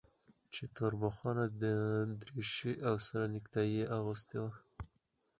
چې توربخونه دريشي او سره نيكټايي يې اغوستې وه.